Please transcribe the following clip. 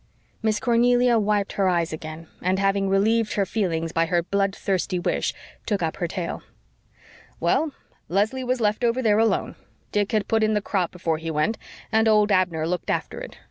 Miss Cornelia wiped her eyes again and having relieved her feelings by her blood thirsty wish, took up her tale. "Well, Leslie was left over there alone. Dick had put in the crop before he went, and old Abner looked after it.